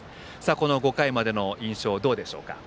この５回までの印象はどうですか。